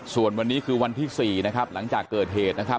ส่วนวันนี้คือวันที่๔นะครับหลังจากเกิดเหตุนะครับ